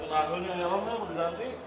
tengah tengah yang lama kamu berhenti